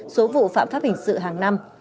số vụ phạm pháp hình sự hàng năm